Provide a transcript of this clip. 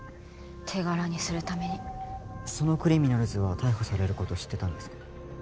手柄にするためにそのクリミナルズは逮捕されること知ってたんですか？